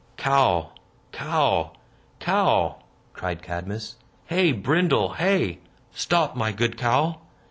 "Cow, cow, cow!" cried Cadmus. "Hey, Brindle, hey! Stop, my good cow!"